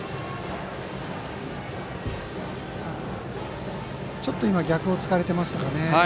今、ちょっと逆を突かれていましたかね。